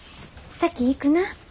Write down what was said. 先行くな。